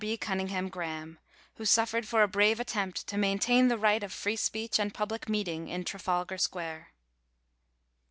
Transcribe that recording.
B. CUNNINGHAM GRAHAM, WHO SUFFERED FOR A BRAVE ATTEMPT TO MAINTAIN THE RIGHT OF FREE SPEECH AND PUBLIC MEETING IN TRAFALGAR SQUARE.